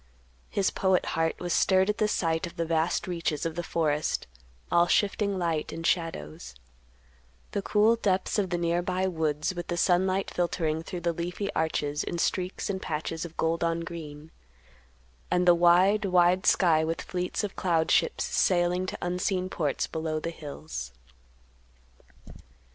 His poet heart was stirred at sight of the vast reaches of the forest all shifting light and shadows; the cool depths of the near by woods with the sunlight filtering through the leafy arches in streaks and patches of gold on green; and the wide, wide sky with fleets of cloud ships sailing to unseen ports below the hills.